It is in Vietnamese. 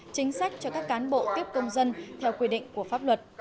chính sách cho các cán bộ tiếp công dân theo quy định của pháp luật